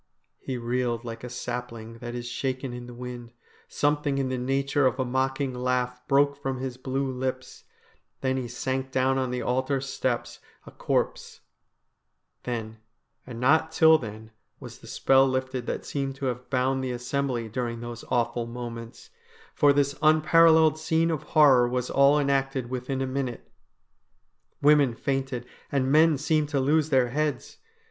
He reeled like a sapling that is shaken in the wind ; something in the nature of a mocking laugh broke from his blue lips ; then he sank down on the altar steps a corpse Then and not till then was the spell lifted that seemed to have bound the assembly during those awful moments, for this unparalleled scene of horror was all enacted within a minute. Women fainted, and men seemed to lose their heads.